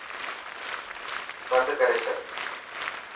بند ڪري ڇڏ.